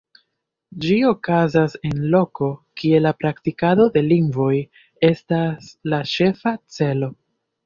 Ĝi okazas en loko, kie la praktikado de lingvoj estas la ĉefa celo.